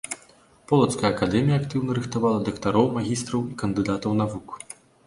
Полацкая акадэмія актыўна рыхтавала дактароў, магістраў і кандыдатаў навук.